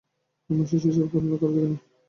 এমন সৃষ্টিছাড়া পছন্দও কারো দেখি নি।